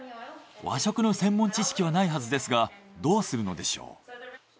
和食の専門知識はないはずですがどうするのでしょう？